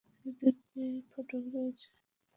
এর দুইটি ফটক রয়েছে।